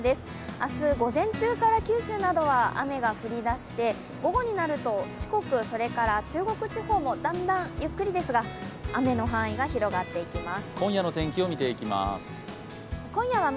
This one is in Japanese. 明日、午前中から九州などは雨が降りだして午後になると四国、それから中国地方もだんだんゆっくりですが、雨の範囲が広がっていきます。